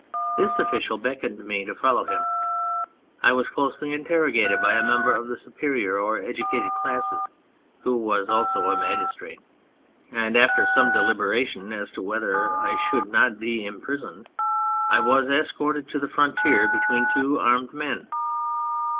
This official beckoned me to follow him ; I was closely interrogated by a member of the superior or educated classes who was also a magistrate, and after some deliberation as to whether 1 should not be imprisoned, I was escorted to the frontier between two armed men.